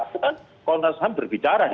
itu kan komnas ham berbicara